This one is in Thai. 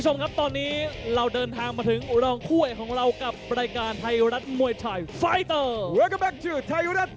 มวยไทยไฟเตอร์